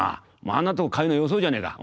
あんなとこ通うのはよそうじゃねえか。